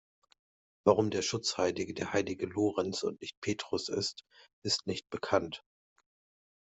Warum der Schutzheilige der heilige Lorenz und nicht Petrus ist, ist nicht bekannt.